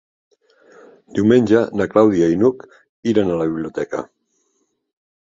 Diumenge na Clàudia i n'Hug iran a la biblioteca.